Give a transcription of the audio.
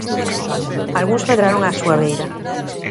Algúns medraron á súa beira.